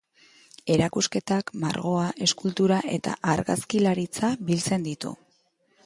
Erakusketak, margoa, eskultura eta argazkilaritza biltzen ditu.